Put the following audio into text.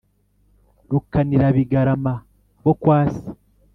Rukanirabigarama bo kwa se